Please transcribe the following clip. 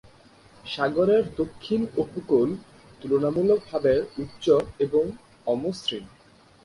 সাগরের দক্ষিণ উপকূল তুলনামূলকভাবে উচ্চ এবং অমসৃণ।